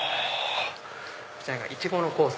こちらがイチゴのコース